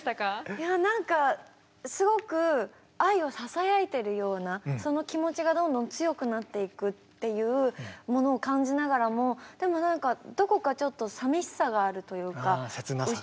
いやなんかすごく愛をささやいてるようなその気持ちがどんどん強くなっていくっていうものを感じながらもでもなんかあせつなさが。